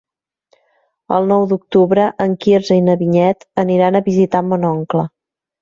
El nou d'octubre en Quirze i na Vinyet aniran a visitar mon oncle.